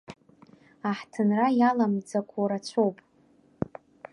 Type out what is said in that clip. Аҳҭынра иаламӡақәо рацәоуп.